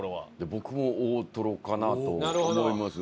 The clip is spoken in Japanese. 僕も大トロかなと思います。